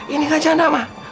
ini gak janda ma